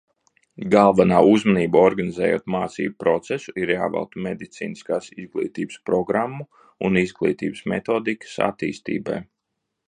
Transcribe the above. Galvenā uzmanība, organizējot mācību procesu, ir jāvelta medicīniskās izglītības programmu un izglītības metodikas attīstībai.